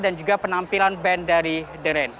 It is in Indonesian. dan juga penampilan band dari the rain